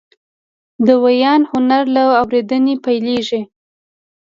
د وینا هنر له اورېدنې پیلېږي